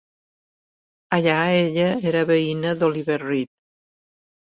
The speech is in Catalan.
Allà, ella era veïna d'Oliver Reed.